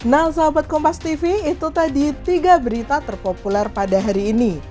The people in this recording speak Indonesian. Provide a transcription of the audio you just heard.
nah sahabat kompas tv itu tadi tiga berita terpopuler pada hari ini